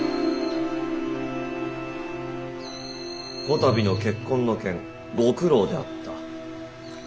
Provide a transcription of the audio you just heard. こたびの結婚の件ご苦労であった。